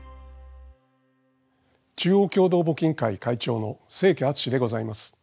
中央共同募金会会長の清家篤でございます。